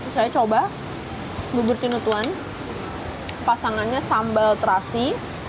saya coba bubur tinutuan pasangannya sambal terasi